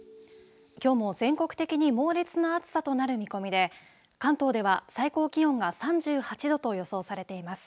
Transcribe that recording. きょうも全国的に猛烈な暑さとなる見込みで関東では最高気温が３８度と予想されています。